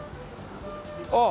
ああ